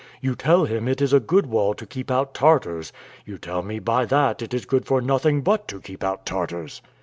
You tell him it is a good wall to keep out Tartars; you tell me by that it is good for nothing but to keep out Tartars.